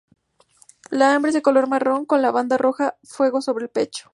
La hembra es de color marrón, con la banda roja fuego sobre el pecho.